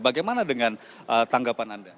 bagaimana dengan tanggapan anda